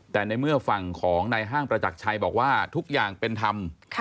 แต่ในเมื่อฝั่งของนายห้างประจักรชัยบอกว่าทุกอย่างเป็นธรรม